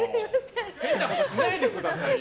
変なことしないでくださいよ。